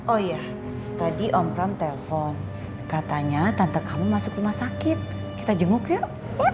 oh iya tadi om pram telpon katanya tante kamu masuk rumah sakit kita jenguk yuk